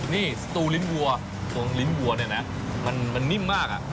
นี่สตูลิ้นวัวตรงลิ้นวัวมันนิ่มมาก